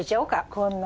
こんな。